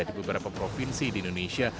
di beberapa provinsi di indonesia